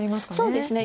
そうですね。